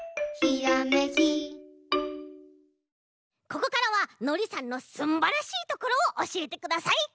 ここからはのりさんのすんばらしいところをおしえてください。